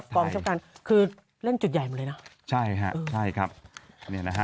กองเชียวการคือเล่นจุดใหญ่มาเลยแน่ะใช่ฮะใช่ครับนี่นะฮะ